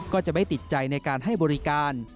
ก็จะไม่ติดใจในการให้บริการ